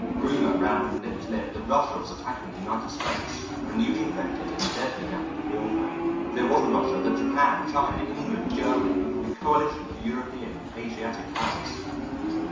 Rumors ran from lip to lip that Russia was attacking the United States with a newly invented and deadly method of warfare; that it wasn't Russia but Japan, China, England, Germany, a coalition of European and Asiatic powers.